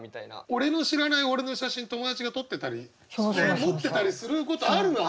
俺の知らない俺の写真友達が撮ってたり持ってたりすることあるわ。